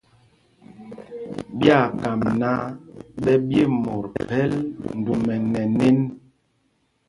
Ɓyaa kam náǎ ɓɛ ɓye mot phɛl ndumɛ nɛ nēn.